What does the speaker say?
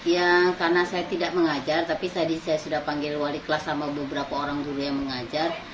ya karena saya tidak mengajar tapi tadi saya sudah panggil wali kelas sama beberapa orang dulu yang mengajar